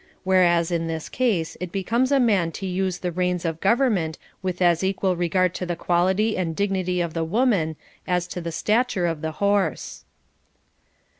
Whereas in this case it becomes a man to use the reins of government with as equal regard to the quality and dignity of the woman as to the stature of the horse.